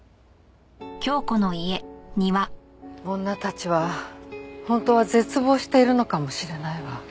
女たちは本当は絶望しているのかもしれないわ。